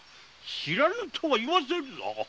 知らぬとは言わせんぞ。